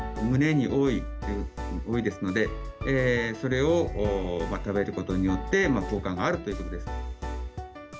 むねに多いですので、それを食べることによって効果があるということで。